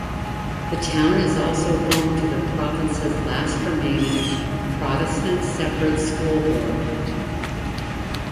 The town is also home to the province's last remaining Protestant Separate school board.